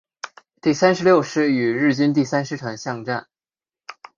第三十六师与日军第三师团巷战。